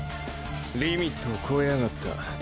リミットを超えやがった。